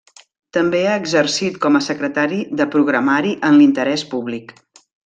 També ha exercit com a secretari de Programari en l'Interés Públic.